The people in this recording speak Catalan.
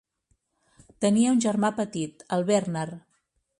Tenia un germà petit, el Bernard.